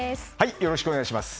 よろしくお願いします。